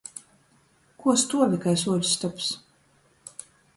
Kuo stuovi kai suoļs stobs?